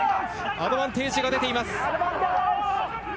アドバンテージが出ています。